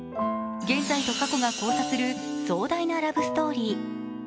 現在と過去が交差する壮大なラブストーリー。